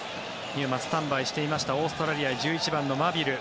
今、スタンバイしていましたオーストラリア１１番のマビル